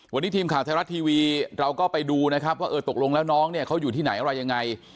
วันนี้ทีมข่าวไทยรัฐทีวีเราก็ไปดูนะครับว่าเออตกลงแล้วน้องเนี่ยเขาอยู่ที่ไหนอะไรยังไง